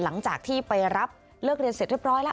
หลังจากที่ไปรับเลิกเรียนเสร็จเรียบร้อยแล้ว